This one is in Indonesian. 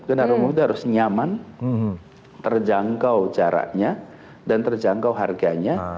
kendaraan umum itu harus nyaman terjangkau jaraknya dan terjangkau harganya